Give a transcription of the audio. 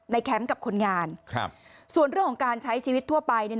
แคมป์กับคนงานส่วนเรื่องของการใช้ชีวิตทั่วไป